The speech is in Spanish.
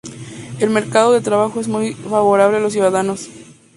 El mercado de trabajo es muy favorable a los ciudadanos.